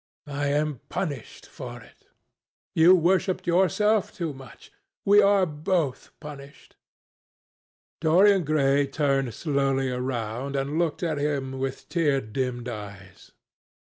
I am punished for it. You worshipped yourself too much. We are both punished." Dorian Gray turned slowly around and looked at him with tear dimmed eyes.